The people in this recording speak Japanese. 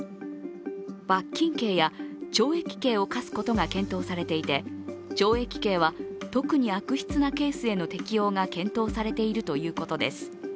罰金刑や懲役刑を科すことが検討されていて懲役刑は特に悪質なケースへの適用が検討されているということです。